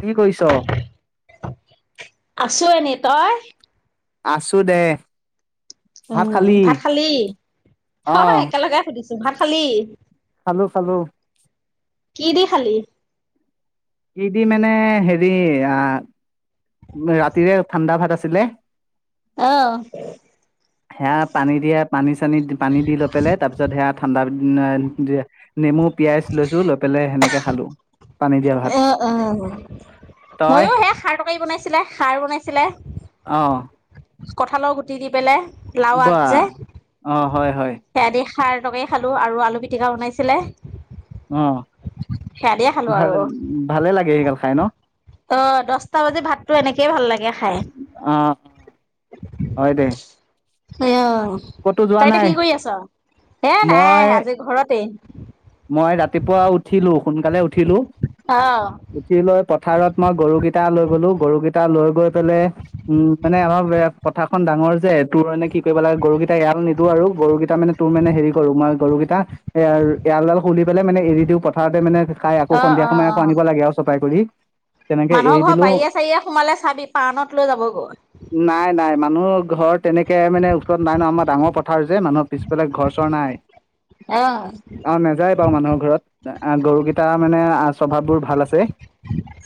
কি কৰিছ? আছো এনে, তই? আছো দে। ভাত উম, খালি? ভাত খালি? অ অঁ একেলগে সুধিছো ভাত খালি? খালো খালো। কি দি খালি? কি দি মানে হেৰি, আ ৰাতিৰে ঠাণ্ডা ভাত আছে আছিলে আহ সেয়া পানী দিয়া পানী চানী, পানী দি লৈ পেলাই তাৰ পিছত সেয়া ঠাণ্ডা না নেমু পিয়াজ লৈছো, লৈ পেলাই সেনেকে খালো, পানী দিয়া ভাত অহ আহ, তই ময়ো সে খাৰ তৰকাৰি বনাইছিলে, খাৰ বনাইছিলে। অঁ। কঁঠালৰ গুটি দি পেলাই লাউ বা আগ যে অঁ হয় হয়। সাৰটোকে খালো আৰু আলু পিটিকা বনাইছিলে। উম সেয়া দিয়ে খালো ভাল ভালে লাগে সেই গাল খাই ন আহ দছটা বজাত ভাতটো এনেকেই ভাল লাগে খাই অঁ হয় দে স [unintelligible] কতো যোৱা নাই এ নাই মই আজি ঘৰতে মই ৰাতিপুৱা উঠিলো সোনকালে উঠিলো অ উঠি লৈ পথাৰত মই গৰুকেইটা কেইটা লৈ গ'লো গৰু কেইটা লৈ গৈ পেললে উম মানে অলপ এ পথাৰ খনন ডাঙৰ যে তোৰ মানে কি কৰিব লাগে গৰুকেইটা এটা এৰাাল নিদো আৰু গৰুকেইটা মানে তোৰ মানে হেৰি কৰো মই গৰুকেইটা এ এৰালডাল খুলি পেলাই মানে এৰি দিওঁ পথাৰতে মানে খাই আকৌ অ সন্ধিয়া অ সময় অ আকৌ আনিব লাগে আৰু চপাই কৰি তেনেকে মানুহৰ এৰি ঘৰ দিলো বাৰিয়ীয়ে চাৰিয়ে সোমালে চাবি পাৰণত লৈ যাবগৈ নাই নাই মানুহ ঘৰ তেনেকে মানে উৎকত নাই ন আমাৰ ডাঙৰ পথাৰ যে মানুহৰ পিছ পেলাক ঘৰ চৰ নাই অ আৰু নাযায় বাৰু মানুহৰ ঘৰত গৰুকেইটাৰ মানে স্বভাৱ বোৰ ভাল আছে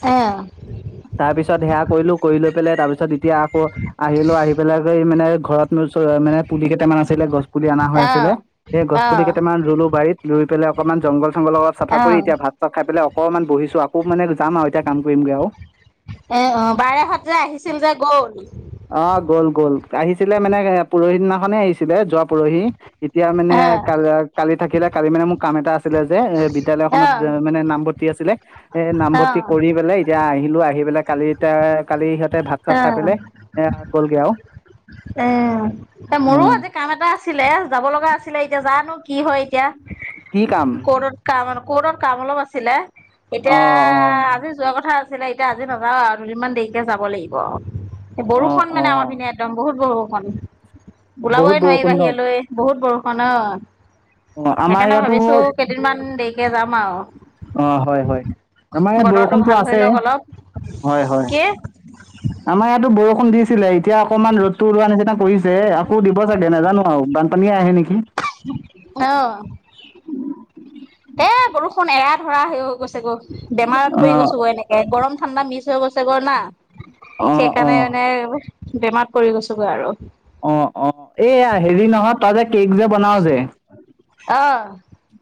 অ', পিছত সেয়া কৰিলো কৰি লৈ পেলাই তাৰ পিছত এতিয়া আকৌ আহিলো আহি পেলাই কৰি মানে ঘৰত মানে পুলি কেইটামান আছিলে গছ পুলি অনা হৈ আছিলে অ', সেই গছ পুলি অ', কেইটামান ৰুলো বাৰীত ৰুই পেলাই অকণমান জংগল লগত চাফা কৰি অ', এতিয়া ভাত চাত খাই পেলাই অকণমান বহিছো আকৌ মানে যাম আৰু এতিয়া কাম কৰিমগৈ আৰু এ অ বাৰ হত যে আহিছিল যে গ'ল অ' গ'ল গ'ল আহিছিলে মানে পৰহি দিনা অখনে আহিছিলে যোৱা পৰহি এতিয়া মানে অ', কালি থাকিলে কালি মানে মোক কাম এটা আছে আছিলে যে অ', বিদ্যালয়খনত অ', মানে নামভৰ্তি কি আছিলে এ নামভৰ্তি অ', কৰি পেলাই এতিয়া আহি আহিলো আহি পেলাই কালি এতিয়া কালি সিহঁত তাতে ভাত চাত অ', খাই পেলাই এ গ'লগে আৰু উম এ মোৰো উম আজি কাম এটা আছিলে যাব লগা আছিলে এতিয়া জানো কি হয় এতিয়া [unintelligible] কৰ্টত কাম কৰ্তত কাম অলপ আছিলে এতিয়া অ' অ' আজি যোৱা কথা আছিলে এতিয়া আজি নাযাও আৰু দুদিনমান দেৰিকে যাব লাগিব এই অ' বৰষুণ মানে অ' আমাৰপিনে একদম বহুত বৰষুণ হয় বহুত ওলাবই নোৱাৰি বৰষুণ ন বাহিৰলৈ বহুত বৰষুণ অ ন অ আমাৰ ইয়াতো কেইদিন মান দেৰিকে যাম। আ অ হয় হয় আমাৰ ইয়াত বতৰটো বৰষুণটো ভাল হৈ আছে লওক অলপ হয় হয় কি অ আমাৰ ইয়াতো বৰষুন দিছিলে এতিয়া অকণমান ৰ'দতটো উলোৱা নিচিনা কৰিছে আকৌ দিব চাগে নাজানো আৰু বানপানীয়ে আহে নেকি আহ এ বৰষুণ এৰা ধৰা হৈ গৈছে গৈ বেমাৰত পৰি অঁ গৈছো গ এনেকে গৰম ঠাণ্ডা মিছ হৈ গৈছে গৰনা অঁ সেইকাৰণে অঁ মানে বেমাৰ পৰি গৈছগৈ আৰু অ অ এয়া হেৰি নহয় তই যে কেক যে বনাও যে অ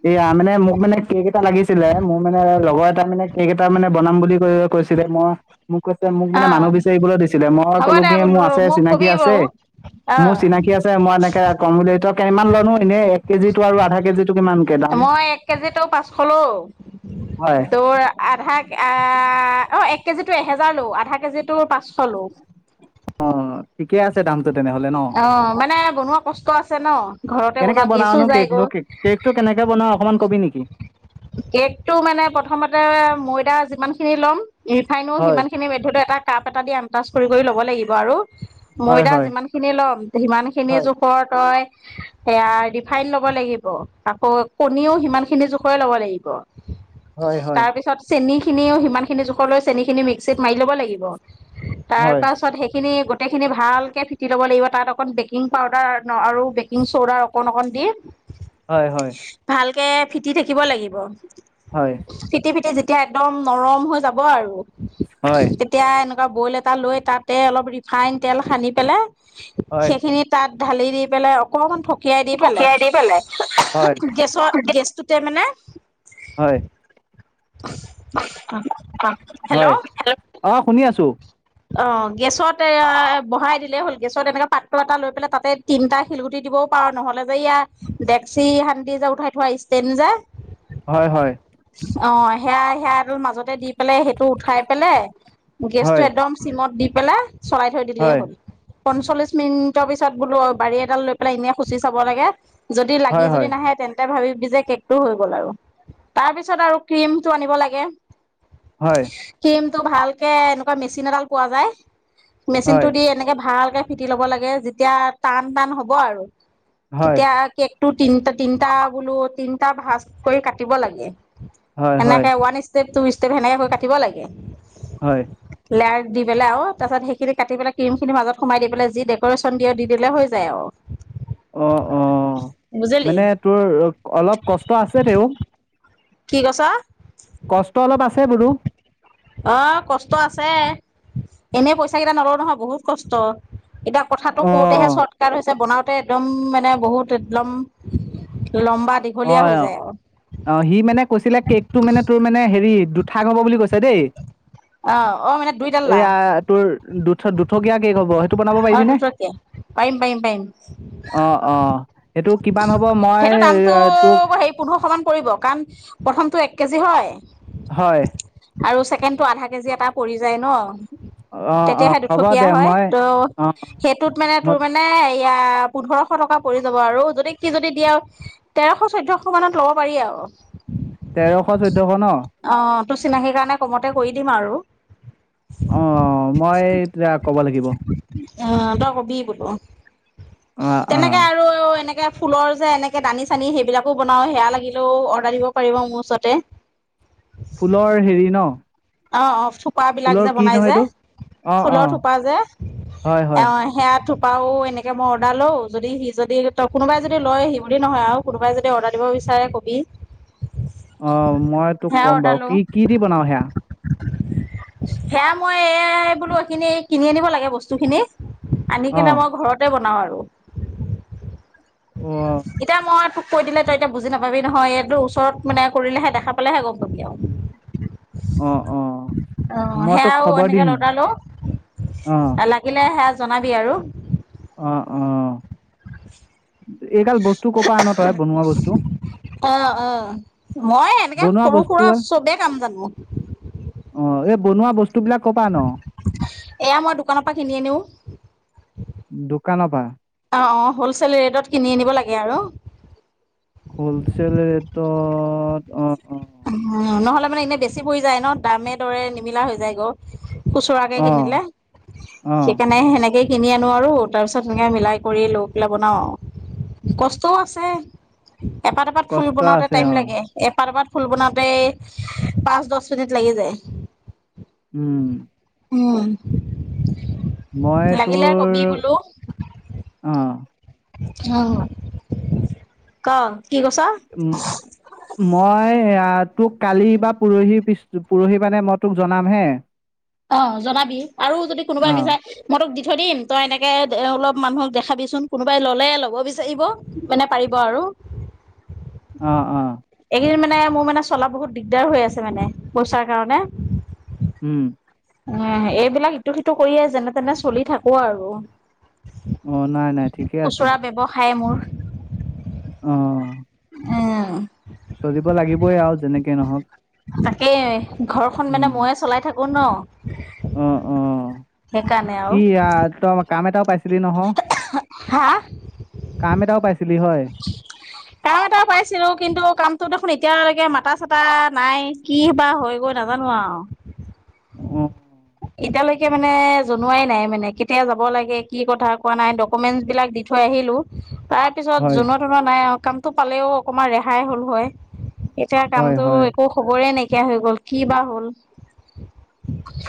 এয়া মানে মোক মানে কেক এটা লাগিছিলে মোৰ মানে লগৰ এটা মানে কেক এটা মানে বনাম বুলি কৈ কৈছিলে মই মোক কৈছে মোক অ মানে মানুহ বিচাৰিবলৈ দিছিলে মই হ'ব কলো দে কি বোলো মোৰ আছে মোক চিনাকি কবি আছে বাৰু মোৰ অ চিনাকি আছে মই এনেকে কম বুলি তই কেমান লনো এনেই এক কেজিতটো আৰু আধা কেজিত মই এক কেজিত তো পাঁচশ লও হয় তোৰ আধা আহ অ এক কেজিতো এহেজাৰ লো আধা কেজিতো পাঁচশ লো অঁ ঠিকে আছে দাম তেনেহলে ন অ মানে বনোৱা কষ্ট আছে ন ঘৰতে কেনেকে বনোৱা গেছো বনাওনো কেক যায়গৈ কেকটো কেনেকে বনা অকমান কবি নেকি উ কেকটো মানে প্ৰথমতে ময়দা যিমান খিনি ল'ম ৰিফাইনো হয়, সিমানখিনি ব্যত এটা কাপ এটা দি আমটাচ কৰি কৰি ল'ব লাগিব আৰু হয়, ময়দা হয়, যিমান খিনি ল'ম সিমান খিনি হয়, জোখৰ তই সেয়া ৰিফাইন ল'ব লাগিব আকৌ কণীও সিমান খিনি জো ল'ব লাগিব হয়, হয়, তাৰপিছত চেনী খিনিও সিমান খিনি জোখ লৈ চেনি খিনি মিক্সিত মাৰি ল'ব লাগিব। তাৰ হয়, পাছত সেইখিনি। গোটেইখিনি ভালকৈ ফেটি ল'ব লাগিব তাত অকণ বেকিং পাউদাৰ আৰু বেকিং চ'দাৰ অকণ অকণ দি। হয় হয়। কে তি থাকিব লাগিব। হয়, ফিতে ফিতে যে। এতিয়া একদম নৰম হৈ যাব আৰু। হয়, তেতিয়া এনেকা। বইল এটা লৈ তাতে অলপ ৰিফাইন তেল সানি পেলাই হয়। সেইখিনি তাত ঢালি দি পেলাই অকণমান ফ পকিয়াই দি পেলাই কে মানে হয় হেল্ল' হয় অ শুনি আছো অ গেছত এ বহাই দিলেই হ'ল গেছত এনেকে পাত্ৰ এটা লৈ পেলাই তাতে তিনটা শিলগুটি দিবও পাৰো নহ'লে যে ইয়াৰ ডেক্সি সান্তি যে উঠাই থোৱা ষ্টেণ্ড যে। হয়, হয়, অঁ। সেয়াই সেয়া এডাল মাজতে দি পাই সেইটো উঠাই পেলাই গেছ টো হয়, একদম মদ দি পেলাই চলাই থৈ দিলেই হয়, হ'ল পঞ্চল্লিশ মিনিটৰ পিছত বোলো বাৰী এডাল লৈ পেলাই এনে খুচি চাব লাগে। যদি লাগি হয়, যদি হয়, নাহে তেন্ত ভাবিবি যে কেক টো হৈ গ'ল আৰু তাৰ পিছত আৰু ক্ৰীমত আনিব লাগে। হয়, কিম ভালকে এনেকুৱা মেচিন এডাল। পোৱা যায়। মেচিন টো হয়, দি এনেকে ভাল। ফিটি লব লাগে যেতিয়া টান টান হ'ব আৰু হয়, তেতিয়া কে তিনটা তিনটা বোলো তিনটা ভাজ কৰি কাটিব লাগে হয়, হয়, এনেকে ওৱান ষ্টপ টো ইচ তে ভেনেকাকৈ কাটিব লাগে হয় লাই দি পেলাই আৰু তাৰ পিছত সেইখিনি কাটি পেলাই ক্ৰীম খিনি মাজত সোমাই দি পেল যি ডেকৰেচন দিয় দি দিলে হৈ যায় আৰু অ অ বুজিলি মানে তোৰ অলপ কষ্ট আছে তেও কি কছ কষ্ট অলপ আছে বোলো অ কষ্ট আছে এনে পইচা কেইটা নলওঁ নহয় বহুত কষ্ট এতিয়া কথাটো কওঁতেহে অ', চৰ্টকাট হৈছে বনাওঁ ততে একদম মানে বহুত একদম লম্বা দীঘলীয়া হৈ অ', যায় আৰু অ কৈছিলে কেকটো মানে তোৰ মেনে ঠাক হ'ব বুলি কৈছে দেই অ অ মানে দুইটাল্লা এয়া তোৰ দুঠ দুঠো ক কে ক প সেইটো বনাব অ পাৰিবিনে দুটকীয়া পাৰিম পাৰিম পাৰিম অ অ সেইটো কিমান হব তোক হে পোন্ধৰশ মান পৰিব কাৰণ প্ৰথমটো এক কেজি হয় হয় আৰু ছেকেণ্ড তটো আধা কেজি এটা পৰি যায় ন অ অ অ হ'ব দে মই ত' অ সেইটোত মানে মই তোৰ মানে এয়া পোন্ধৰশ টকা পৰি যাব আৰু যদি কি যদি দিয়া তেৰশ চৈধ্যয়শ মানত লব পাৰি আৰু তেৰশ চৈধ্যশ ন অ তোৰ চিনাকীৰ কাৰণে কমতে কৰি দিম আৰু অ মই তেতিয়া ক'ব লাগিব অ তই কবি বোলো অ অ তেনেকে আৰু অ এনেকে ফুলৰ যে এনেকে দানি চানি সেইবিলাকো বনাওঁ সেয়া লাগিলেও অৰ্ডাৰ দিব পাৰিব মোৰ ওচৰতে ফুলৰ হেৰি ন অ অ থোপাবিলাক ফুলৰ যে কি বনাই নহয় যে এইটো অ অ ফুলৰ থোপা যে হয় হয় সেয়া থো পাও এনেকৈ মই অৰ্ডাৰ লওঁ যদি সি যদি কোনোবাই যদি লয় সি বুলি নহয় আৰু কোনোবাই যদি অৰ্ডাৰ দিব বিচাৰে কবি অ, মই তোক সেয়া ক'ম অৰ্ডাৰ বাৰু। লও কি, কি দি বনাৱ সেয়া? সেয়া মই এই বোলো এইখিনি কিনি আনিব লাগে বস্তুখিনি। আনি অ কেনে মই ঘৰতে বনাওঁ আৰু। অ এতিয়া মই তোক কৈ দিলে তই এতিয়া বুজি নাপাবি নহয় এইটো ওচৰত মানে কৰিলেহে দেখা পালেহে গ'ম অ অ অ, মই তোক সেয়াও খবৰ এনেকে দিম অৰডাৰ লওঁ। অ লাগিলে সেয়া জনাবি আৰু। অ অ। এই গাল বস্তু কপা আন তই বনোৱা বস্তু? অ অ মই এনেকৈ বনোৱা সৰু বস্তু সুৰা চবেই কাম জানো। অ এই বনোৱা বস্তু বিলাক কৰ পৰা আন এয়া মই দোকানৰ পৰা কিনি আনিও। অ, দোকানৰ পৰা অ। হলচেল ৰেটত কিনি আনিব লাগে আৰু। ত অ উ নহলে মানে এনে বেছি পৰি যায় ন, দামে দৰে নিমিলা হৈ যায় গৈ। খুচৰাকে অ কিনিলে অ সেইকাৰণে সেনেকে কিনি আনো আৰু তাৰপিছত সেনেকৈ মিলাই কৰি লৈ পেলাই বনাওঁ। কষ্টও আছে। এপাত এপাত ফুল কষ্ট বনাওঁতে আছে টাইম অ লাগে। এপাত এপাত ফুল বনাওতেই পাঁচ-দছ মিনিট লাগি যায়। উম। উম। মই লাগিলে কবি তোৰ, বোলো অহ অ ক, কি কৈছ? মই সেয়া তোক কালি বা পৰহি পিছ পৰহি মানে মই তোক জনাম হে। অ জনাবি আৰু যদি কোনোবা অ বিচাৰে মই তোক থৈ দিম তই এনেকৈ অলপ মানুহক দেখাবিচোন। কোনোবাই ল'লে ল'ব বিচাৰিব, মানে পাৰিব আৰু। অ। অ। মানে মোৰ মানে চলা বহুত দিগদাৰ হৈ আছে, মানে পইচাৰ কাৰণে। উম। উ এইবিলাক ইটো সিটো কৰিয়ে যেনে তেনে চলি থাকো আৰু। অ, নাই নাই। ঠিকেই আছে। তাই মোৰ অ। অ। চলিব লাগিবই আৰু যেনেকে নহওক। তাকেই। ঘৰখন মানে উম ময়ে চলাই থাকো ন। অ অ সেইকাৰণে কি আহ আৰু। তই কাম এটাও পাইছিলি নহয়। হা কাম এটাও পাইছিলি হয়? কাম এটা পাইছিলো, কিন্তু কামটো দেখোন এতিয়ালৈকে মাতা চাতা। নাই কি বা হৈ [unintelligible] নাজানো আওঁ। অহ এতিয়ালৈকে মানে জনোৱাই নাই মানে কেতিয়া যাব লাগে কি কথা কোৱা নাই ডকুমেন্টচ বিলাক দি থৈ আহিলো। তাৰ পিছত হয় জোনৱা তনুৱা নাই কামটো পালেও অকণমান ৰেহাই হ'ল হয়। এতিয়া হয় কামতটো হয় একো খবৰে নাই। কিয়া হৈ গ'ল কি বা হ'ল।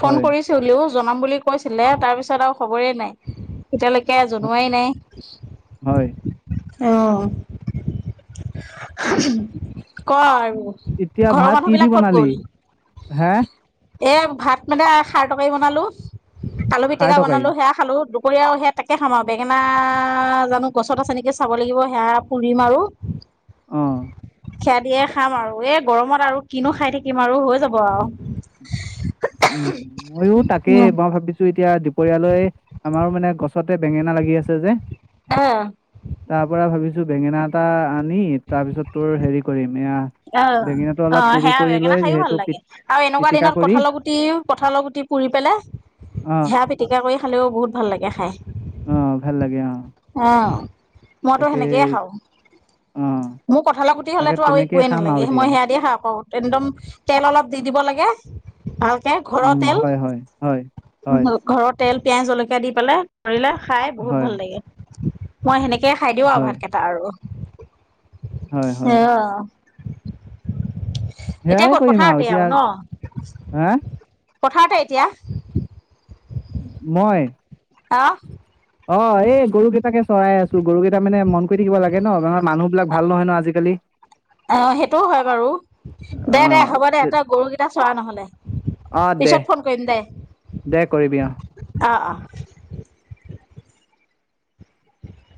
হয়। কৈছে বোলে অ জনাম বুলি কৈছিলে তাৰপিছত আৰু খবৰেই নাই। এতিয়ালৈকে হ- জনোৱাই নাই। হয় অহ [unintelligible] এতিয়া ভাত কি দি বনালি হা? এয়াম ভাত মানে খাৰ তৰকাৰী বনালোচ। আলু খাৰ পিটিকা তৰকাৰী বনালো সেয়া খালো কৰি আৰু সেয়া তাকে খাম আৰু বেঙেনা জানো গছত আছে নেকি চাব লাগিব সেয়া পুৰিম আৰু। অহ! সেয়া দিয়ে খাম আৰু এ গৰমত আৰু কিনো খাই থাকিম আৰু হৈ যাব আৰু। উম। মইয়ো তাকে উম মই ভাবিছো এতিয়া দুপৰীয়ালৈ আমাৰ মানে গছতে বেঙেনা লাগি আছে ছে যে অ তাৰ পৰা ভাবিছো তোৰ বেঙেনা এটা আনি তাৰ পিছত তোৰ হেৰি কৰিম এয়া বেঙেনাটো অলপ অহ-অহ পুৰি সেয়া কৰি বেঙেনা লৈ খায়ো ভাল সেইটো পি লাগে আৰু এনেকুৱা পিটিকা দিনত কৰি কঠালৰ গুটি গুটি কঁঠালৰ গুটি পুৰি পেলাই অ হেয়া পিটিকা কৰি খালেও বহুত ভাল লাগে খাই। অ ভাল লাগে অ অহ' মইতো তাকে সেনেকেইে খাওঁ অ মোৰ কঠালৰ গু এইয়া তাকে হ'লেতো আৰু তেনেকেই একোৱে খাম আৰু নালাগে এতিয়া। মই সেয়া দিয়ে খাব পাৰোঁ একদম তেল অলপ দি দিব লাগে। অহ, এ ঘৰৰ উম, তেল হয়, হয়, হয়, হয়, [inaudible] ঘৰত তেল পিঁয়াজ, জলকীয়া দি পেলাই কৰিলে খাই, বহুত হয়, ভাল লাগে। মই সেনেকে কে খাই দিওঁ আৰু, হয়, ভাতকেইটা আৰু। হয়, হয়। অ'হ সেয়াই ক'ত কৰিম পথাৰতে আৰু ন এতিয়া, হা? পথাৰতে এতিয়া? মই অ'হ। অ' এই গৰুকেইটাকে চৰাই আছোঁ। অ গৰুকেইটা মানে, মন কৰি থাকিব লাগে ন। কাৰণ মানুহ বিলাক ভাল নহয় ন, আজিকালি। অ', সেইটোও হয় বাৰু দে দে আহ হ'ব দে তই গৰুকেইটা চৰা নহ'লে অ দে, পিছত ফোন কৰিম দে দে কৰিবি অ'। অ', অ', [unintelligible]